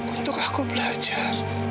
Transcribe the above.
untuk aku belajar